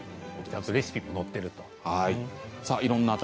レシピも載っているんですね。